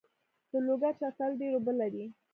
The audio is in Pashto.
د لوګر شفتالو ډیر اوبه لري.